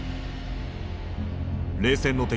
冷戦の敵